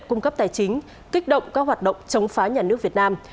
cung cấp tài chính kích động các hoạt động chống phá nhà nước việt nam